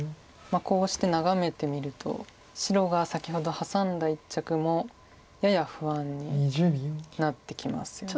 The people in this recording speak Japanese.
こうして眺めてみると白が先ほどハサんだ一着もやや不安になってきますよね。